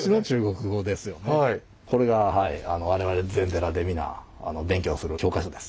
これが我々禅寺で皆勉強する教科書です。